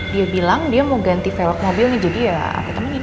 dia bilang dia mau ganti velg mobilnya jadi ya aku temenin